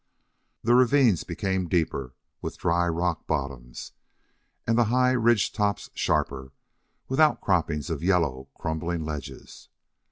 The ravines became deeper, with dry rock bottoms, and the ridge tops sharper, with outcroppings of yellow, crumbling ledges.